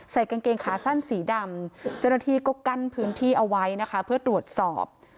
กางเกงขาสั้นสีดำเจ้าหน้าที่ก็กั้นพื้นที่เอาไว้นะคะเพื่อตรวจสอบ